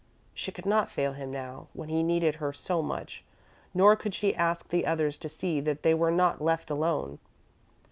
She could not fail him now, when he needed her so much, nor could she ask the others to see that they were not left alone.